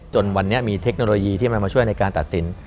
จนวันนี้มีเทคโนโลยีที่มันมาช่วยในการตัดสิน